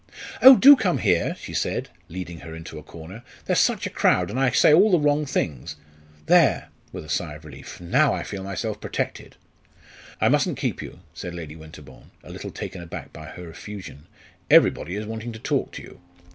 "Oh, do come here!" she said, leading her into a corner. "There's such a crowd, and I say all the wrong things. There!" with a sigh of relief. "Now I feel myself protected." "I mustn't keep you," said Lady Winterbourne, a little taken aback by her effusion. "Everybody is wanting to talk to you."